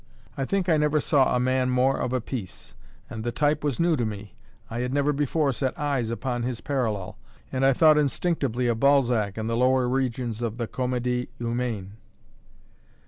I think I never saw a man more of a piece; and the type was new to me; I had never before set eyes upon his parallel, and I thought instinctively of Balzac and the lower regions of the Comedie Humaine.